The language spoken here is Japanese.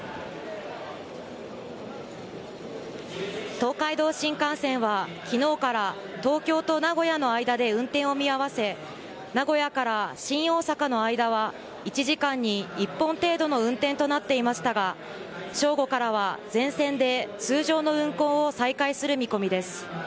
東海道新幹線は昨日から東京と名古屋の間で運転を見合わせ名古屋から新大阪の間は１時間に１本程度の運転となっていましたが正午からは全線で通常の運行を再開する見込みです。